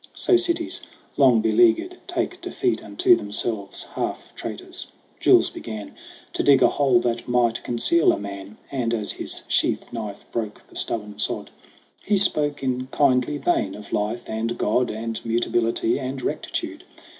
So cities, long beleaguered, take defeat Unto themselves half traitors. Jules began To dig a hole that might conceal a man; And, as his sheath knife broke the stubborn sod, He spoke in kindly vein of Life and God And Mutability and Rectitude.